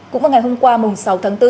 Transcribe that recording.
cũng vào ngày hôm qua mùng sáu tháng bốn